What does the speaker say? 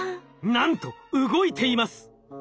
なんと動いています！